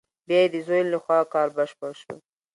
بیا یې د زوی له خوا کار بشپړ شو.